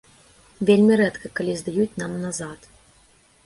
Вельмі рэдка, калі здаюць нам назад.